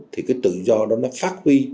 thì cái tự do đó nó phát huy